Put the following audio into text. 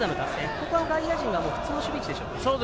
ここは外野陣は普通の守備位置でしょうか。